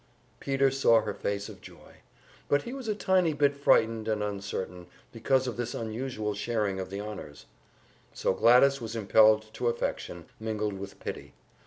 Peter saw her face of joy, but he was a tiny bit frightened and uncertain, because of this unusual sharing of the honors. So Gladys was impelled to affection, mingled with pity.